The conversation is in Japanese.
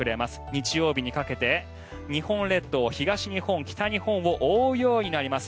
日曜日にかけて日本列島、東日本、北日本を覆うようになります。